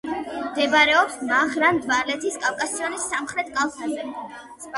მდებარეობს მაღრან-დვალეთის კავკასიონის სამხრეთ კალთაზე.